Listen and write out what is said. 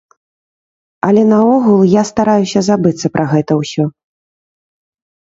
Але наогул, я стараюся забыцца пра гэта ўсё.